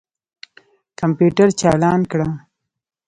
کمپیوټر چالان کړه.